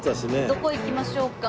どこ行きましょうか？